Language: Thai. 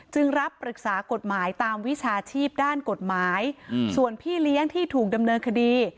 รับปรึกษากฎหมายตามวิชาชีพด้านกฎหมายส่วนพี่เลี้ยงที่ถูกดำเนินคดี